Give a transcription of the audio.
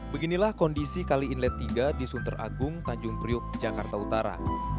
beginilah kondisi kali inlet tiga di sunter agung tanjung priuk jakarta utara